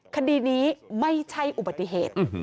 คดีนี้ไม่ใช่อุบัติเหตุ